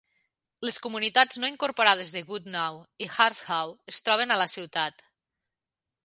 Les comunitats no incorporades de Goodnow i Harshaw es troben a la ciutat.